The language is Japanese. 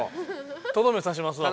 とどめさしますわこれ。